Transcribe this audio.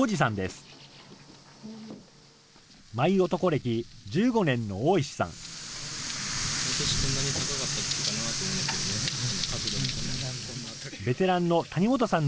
歴１５年の大石さん。